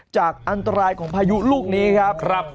จากอันตรายของพายุลูกนี้ครับ